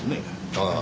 ああ。